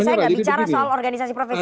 saya nggak bicara soal organisasi profesi